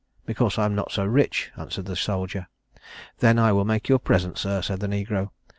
'Because I am not so rich,' answered the soldier. 'Then I will make you a present, sir,' said the negro.